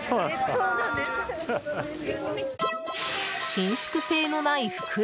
伸縮性のない袋。